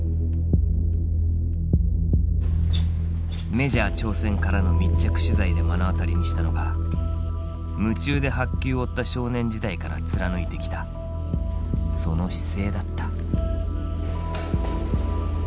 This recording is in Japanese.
メジャー挑戦からの密着取材で目の当たりにしたのが夢中で白球を追った少年時代から貫いてきたその姿勢だった。